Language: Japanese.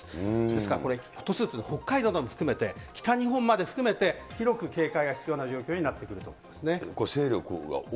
ですからこれ、ひょっとすると北海道も含めて北日本まで含めて、広く警戒が必要な状況になってきそうですね。